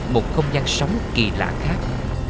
một không gian sống kỳ lạ khác